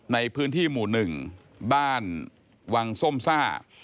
ในพื้นที่หมู่๑บ้านวังส้มซ่า